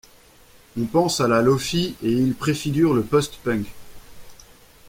On pense à la lo-fi et il préfigure le post-punk.